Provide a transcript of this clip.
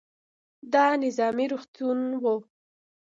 دا نظامي روغتون و.